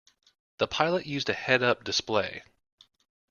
The pilot used a head-up display.